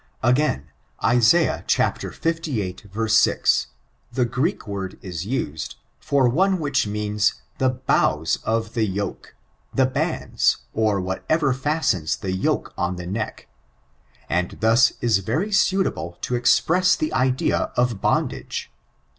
Agab, Isa. Iviii. 6, the Greek word is used, for one which means the bows of the yoke, the bands, or whatever fbatene the yoke on the neck; and thus is very suitable to express the idea of bondage.